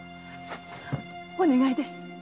〔お願いです。